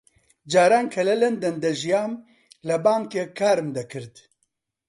جاران کە لە لەندەن دەژیام لە بانکێک کارم دەکرد.